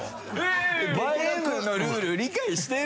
ゲームのルール理解してる？